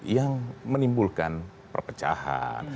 yang menimbulkan perpecahan